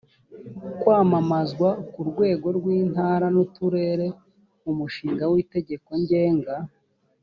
kwamamazwa ku rwego rw intara n uturere umushinga w itegeko ngenga